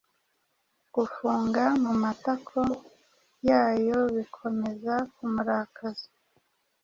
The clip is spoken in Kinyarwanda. Gufunga mumatako yayobikomeza kumurakaza